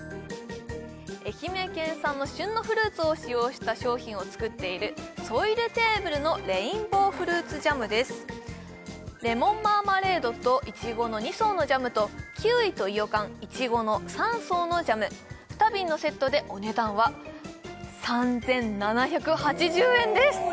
愛媛県産の旬のフルーツを使用した商品を作っているレモンマーマレードといちごの２層のジャムとキウイといよかんいちごの３層のジャム２瓶のセットでお値段は３７８０円です